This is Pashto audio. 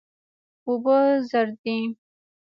اوبه زر دي.